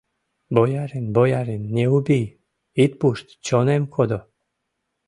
Боярин, боярин, не убий... ит пушт, чонем кодо...